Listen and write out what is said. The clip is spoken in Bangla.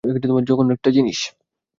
জঘন্য একটা জিনিস।